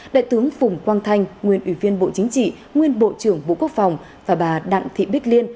đại tướng phùng quang thanh nguyên ủy viên bộ chính trị nguyên bộ trưởng bộ quốc phòng và bà đặng thị bích liên